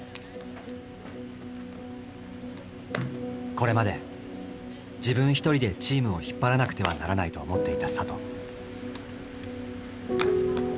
これまで自分一人でチームを引っ張らなくてはならないと思っていた里。